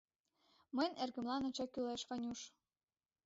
Мыйын эргымлан ача кӱлеш, Ванюш!